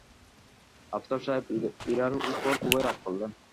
আফসার সাহেব ইরার ওপর খুবই রাগ করলেন।